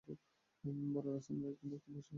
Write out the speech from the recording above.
বড় রাস্তার মোড়ে একজন ডাক্তারের বাসা আছে।